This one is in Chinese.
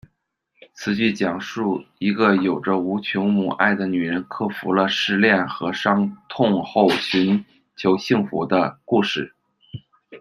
此剧讲述一个有着无穷母爱的女人，克服了试炼和伤痛后寻求幸福的故事。